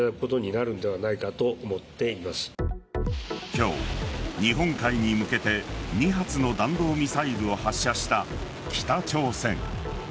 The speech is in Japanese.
今日、日本海に向けて２発の弾道ミサイルを発射した北朝鮮。